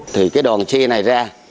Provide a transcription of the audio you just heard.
thì cái đoàn chi này ra